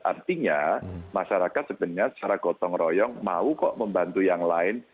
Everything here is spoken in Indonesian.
artinya masyarakat sebenarnya secara gotong royong mau kok membantu yang lain